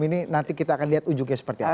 ini nanti kita akan lihat ujungnya seperti apa